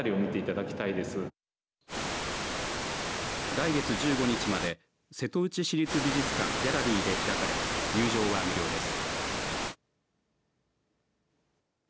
来月１５日まで瀬戸内市立美術館ギャラリーで開かれ入場は無料です。